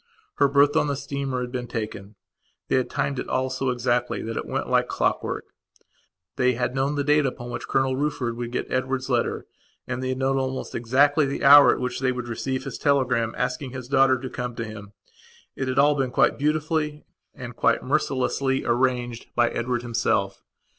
Her berth on the steamer had been taken. They had timed it all so exactly that it went like clockwork. They had known the date upon which Colonel Rufford would get Edward's letter and they had known almost exactly the hour at which they would receive his telegram asking his daughter to come to him. It had all been quite beautifully and quite mercilessly arranged, by Edward himself.